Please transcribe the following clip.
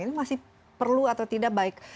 ini masih perlu atau tidak baik